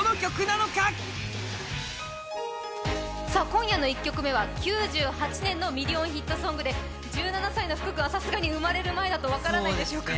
今夜の１曲目は９８年のミリオンヒットソングで１７歳の福くんはさすがに生まれる前だと分からないでしょうか。